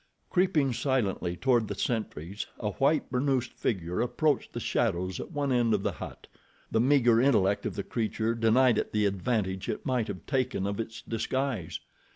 Creeping silently toward the sentries, a white burnoosed figure approached the shadows at one end of the hut. The meager intellect of the creature denied it the advantage it might have taken of its disguise.